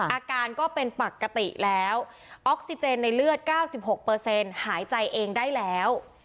อาการก็เป็นปกติแล้วออกซิเจนในเลือดเก้าสิบหกเปอร์เซนต์หายใจเองได้แล้ว